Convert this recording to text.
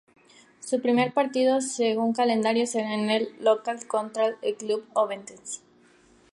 Su primer partido según el calendario será de local contra el club Ovetense.